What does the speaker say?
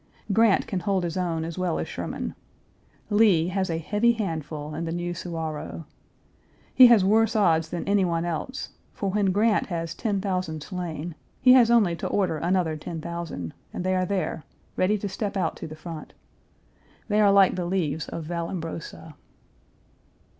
Grant can hold his own as well as Sherman. Lee has a heavy handful in the new Suwarrow. He has worse odds than any one else, for when Grant has ten thousand slain, he has only to order another ten thousand, and they are there, ready to step out to the front. They are like the leaves of Vallambrosa.